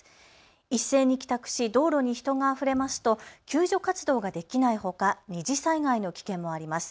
一斉に帰宅し道路に人があふれますと救助活動ができないほか二次災害の危険もあります。